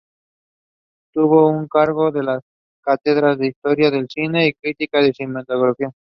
Tuvo a su cargo las cátedras de Historia del Cine y de Crítica Cinematográfica.